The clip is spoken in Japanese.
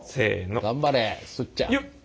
頑張れすっちゃん。